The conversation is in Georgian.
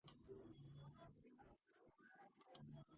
ბევრია მინერალური, მათ შორის თერმული წყარო.